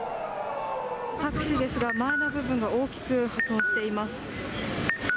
タクシーですが、前の部分が大きく破損しています。